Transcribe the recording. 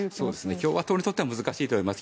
共和党にとっては難しいと思います。